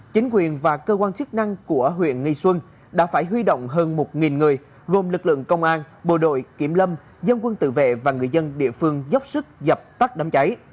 chính quyền và cơ quan chức năng của huyện nghi xuân đã phải huy động hơn một người gồm lực lượng công an bộ đội kiểm lâm dân quân tự vệ và người dân địa phương dốc sức dập tắt đám cháy